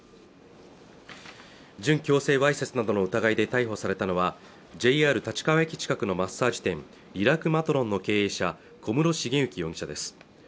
準強制わいせつなどの疑いで逮捕されたのはＪＲ立川駅近くのマッサージ店リラクまとろんの経営者小室茂行容疑者です